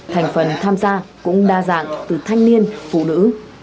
thành phần tham gia cũng đa dạng từ thanh niên phụ nữ